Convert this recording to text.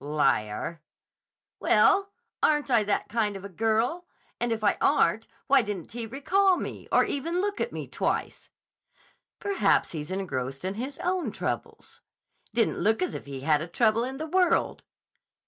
"Liar." "Well, aren't I that kind of a girl? And if I aren't, why didn't he recall me, or even look at me twice?" "Perhaps he's engrossed in his own troubles." "Didn't look as if he had a trouble in the world."